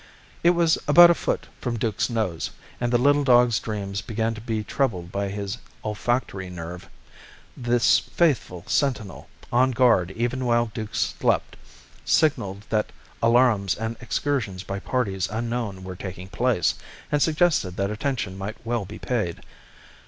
It was about a foot from Duke's nose, and the little dog's dreams began to be troubled by his olfactory nerve. This faithful sentinel, on guard even while Duke slept, signalled that alarums and excursions by parties unknown were taking place, and suggested that attention might well be paid.